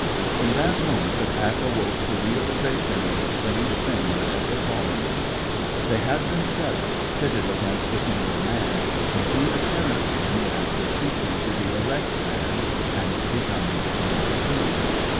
In that moment, the pack awoke to realization of the strange thing that had befallen them. They had been seven, pitted against a single man, and he apparently in the act of ceasing to be erect man, and becoming mere food.